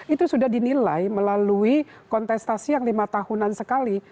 itu sudah dinilai melalui kontestasi yang lima tahunan sekali